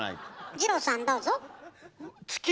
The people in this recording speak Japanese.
二朗さんどうぞ。